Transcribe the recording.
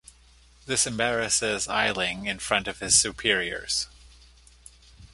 This embarrasses Eiling in front of his superiors.